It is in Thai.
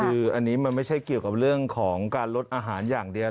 คืออันนี้มันไม่ใช่เกี่ยวกับเรื่องของการลดอาหารอย่างเดียว